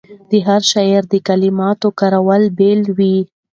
د هر شاعر د کلماتو کارول بېل وي.